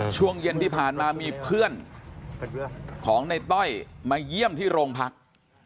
ช่วงเย็นที่ผ่านมามีเพื่อนของในต้อยมาเยี่ยมที่โรงพัก